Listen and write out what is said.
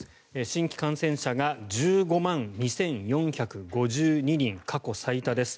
新規感染者が１５万２４５２人過去最多です。